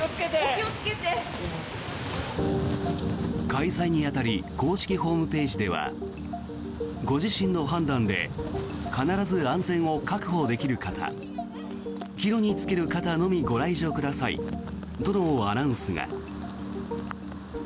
開催に当たり公式ホームページではご自身の判断で必ず安全を確保できる方帰路に就ける方のみご来場くださいとのアナウンスが。